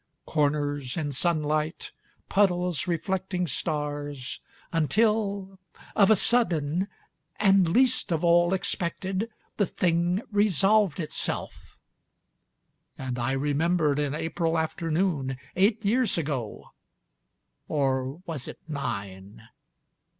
Corners in sunlight, puddles reflecting stars; Until, of a sudden, and least of all expected, The thing resolved itself: and I remembered An April afternoon, eight years agoâ Or was it nine